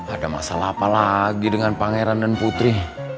ada masalah apa lagi dengan pangeran dan putri